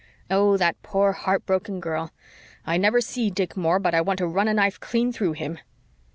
Oh, that poor, heart broken girl! I never see Dick Moore but I want to run a knife clean through him."